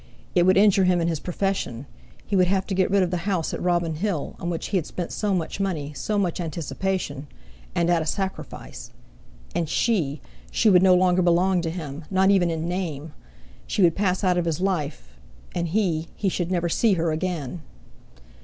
It would injure him in his profession: He would have to get rid of the house at Robin Hill, on which he had spent so much money, so much anticipation—and at a sacrifice. And she! She would no longer belong to him, not even in name! She would pass out of his life, and he—he should never see her again!